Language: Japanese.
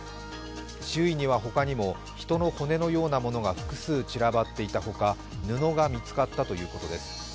周囲には他にも人の骨のようなものが複数散らばっていたほか布が見つかったということです。